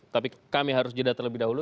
tapi kami harus jeda terlebih dahulu